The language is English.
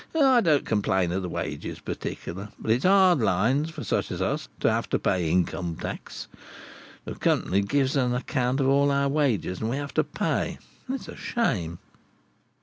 I don't complain of the wages particular; but it's hard lines for such as us, to have to pay income tax. The company gives an account of all our wages, and we have to pay. It's a shame.